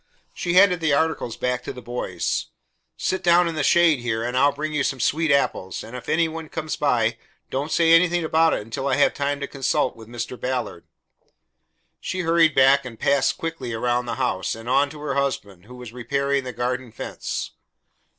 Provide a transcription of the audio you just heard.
She handed the articles back to the boys. "Sit down in the shade here, and I'll bring you some sweet apples, and if any one comes by, don't say anything about it until I have time to consult with Mr. Ballard." She hurried back and passed quickly around the house, and on to her husband, who was repairing the garden fence.